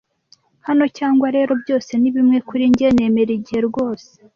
Hano cyangwa rero, byose ni bimwe kuri njye, nemera Igihe rwose.